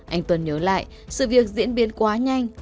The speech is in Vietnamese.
anh tuần nhớ lại sự việc diễn biến quá nhanh